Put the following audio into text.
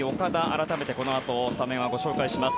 改めてこのあとスタメンはご紹介します。